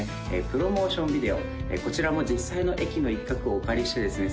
プロモーションビデオこちらも実際の駅の一角をお借りしてですね